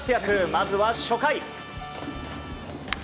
まずは初回。